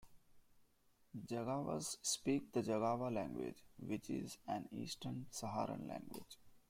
Zaghawas speak the Zaghawa language, which is an eastern Saharan language.